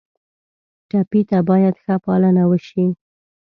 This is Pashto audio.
ټپي ته باید ښه پالنه وشي.